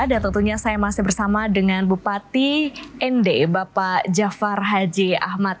dan tentunya saya masih bersama dengan bupati nd bapak jafar haji ahmad